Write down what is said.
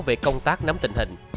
về công tác nắm tình hình